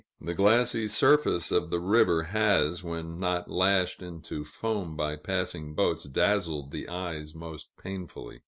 The glassy surface of the river has, when not lashed into foam by passing boats, dazzled the eyes most painfully.